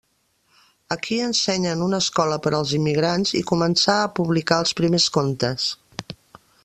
Aquí ensenya en una escola per als immigrants i començà a publicar els primers contes.